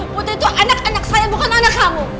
putri itu anak anak saya bukan anak kamu